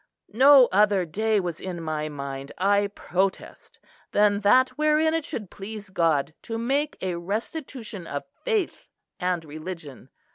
No other day was in my mind, I protest, than that wherein it should please God to make a restitution of faith and religion.